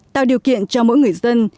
tạo điều kiện cho mỗi người dân